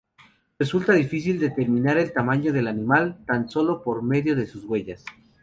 Resulta difícil determinar el tamaño del animal, tan sólo por medio de sus huellas.